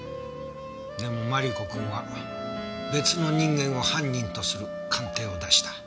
でもマリコ君は別の人間を犯人とする鑑定を出した。